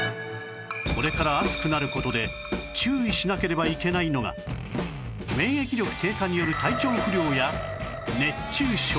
これから暑くなる事で注意しなければいけないのが免疫力低下による体調不良や熱中症